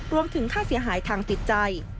รวมถึงค่าเสียหายทางจิตใจ